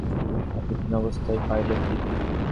কিছু লোক আমাকে পাহাড়ের পাশে অচেতন অবস্থায় পায়।